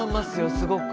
すごく。